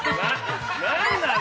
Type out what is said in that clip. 何なの？